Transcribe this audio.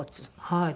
はい。